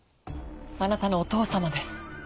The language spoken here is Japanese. あなたのお父様です。